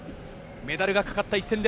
メダルがかかった一戦。